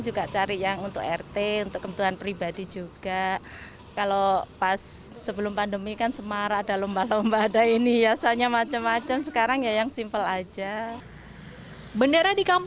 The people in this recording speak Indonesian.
juga cari yang untuk rt untuk kebutuhan pribadi juga kalau pas sebelum pandemikan semar ada